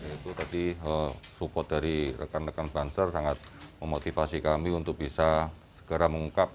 itu tadi support dari rekan rekan banser sangat memotivasi kami untuk bisa segera mengungkap